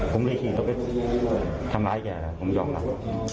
ผมไม่ถึงต้องไปทำร้ายแกผมยอมครับ